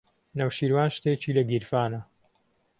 نەوشیروان شتێکی لە گیرفانە.